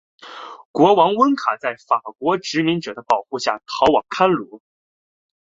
国王温坎在法国殖民者的保护下逃往暹罗。